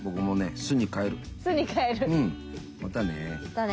またね。